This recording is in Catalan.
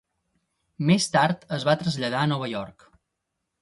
Més tard es va traslladar a Nova York.